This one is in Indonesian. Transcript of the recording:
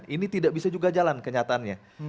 ini tidak bisa juga jalan kenyataannya